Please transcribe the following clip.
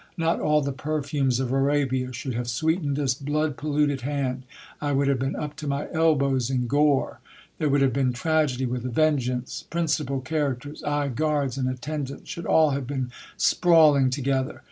Not all the perfumes of Arabia should have sweetened this blood polluted hand, I would have been up to my elbows in gore. There would have been tragedy with a vengeance ; principal characters ! ay, guards and attendants, should all have been sprawling together.